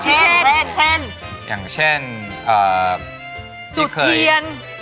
แต่น้องไม่ยอมค่ะ